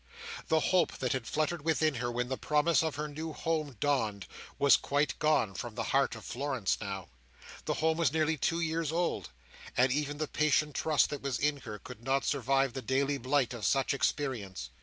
The hope that had fluttered within her when the promise of her new home dawned, was quite gone from the heart of Florence now. That home was nearly two years old; and even the patient trust that was in her, could not survive the daily blight of such experience.